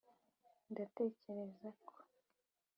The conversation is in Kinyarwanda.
ndatekereza ko.